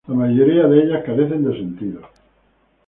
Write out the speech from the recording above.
La mayoría de ellas carecen de sentido.